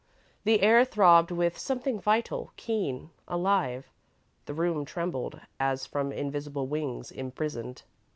The air throbbed with something vital, keen, alive; the room trembled as from invisible wings imprisoned.